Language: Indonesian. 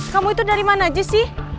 kamu itu dari mana aja sih